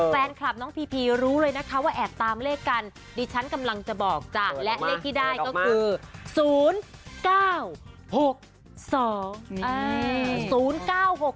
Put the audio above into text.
แฟนคลับน้องพีพีรู้เลยนะคะว่าแอบตามเลขกันดิฉันกำลังจะบอกจ้ะและเลขที่ได้ก็คือ๐๙๖๒